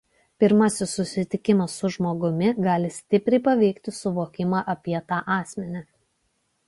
Pirmasis susitikimas su žmogumi gali stipriai paveikti suvokimą apie tą asmenį.